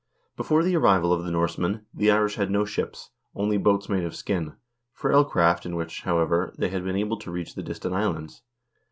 Before the arrival of the Norsemen, the Irish had no ships, only boats made of skin, frail craft in which, however, they had been able to reach the distant islands.